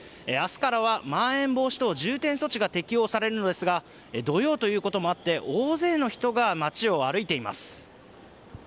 明日からはまん延防止等重点措置が適用されるのですが土曜ということもあって大勢の人が街を歩いています。